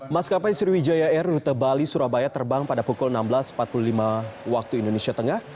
maskapai sriwijaya air rute bali surabaya terbang pada pukul enam belas empat puluh lima waktu indonesia tengah